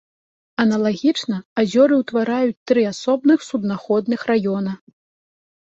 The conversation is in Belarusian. Аналагічна азёры ўтвараюць тры асобных суднаходных раёна.